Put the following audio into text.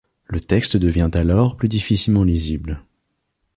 Le texte devient alors plus difficilement lisible.